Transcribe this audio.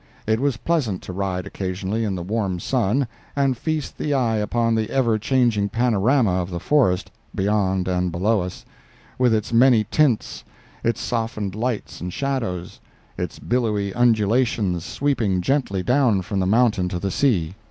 It was pleasant to ride occasionally in the warm sun, and feast the eye upon the ever changing panorama of the forest (beyond and below us), with its many tints, its softened lights and shadows, its billowy undulations sweeping gently down from the mountain to the sea.